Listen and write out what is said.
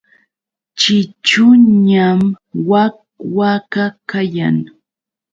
Ćhićhuñam wak waka kayan.